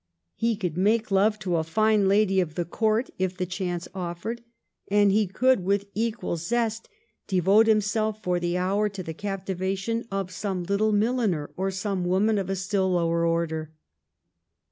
He could make love 1712 13 BOLINGBEOKE AND SWIFT. 69 to a fine lady of the Court if the chance offered, and he could with equal zest devote himself for the hour to the captivation of some little milliner or some woman of a still lower order.